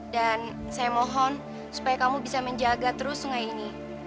dan saya mohon supaya kamu bisa menjaga terus sungai ini